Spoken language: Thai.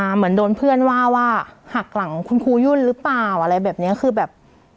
เหมือนโดนเพื่อนว่าว่าหักหลังคุณครูยุ่นหรือเปล่าอะไรแบบเนี้ยคือแบบ